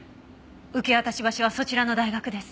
受け渡し場所はそちらの大学です。